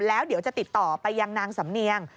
แล้วเดี๋ยวจะติดต่อไปยังนางสำเนียง